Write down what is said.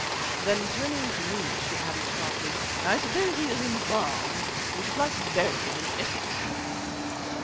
Then, turning to me, she added sharply: "I suppose he is embalmed; we should like to bury him in Essex."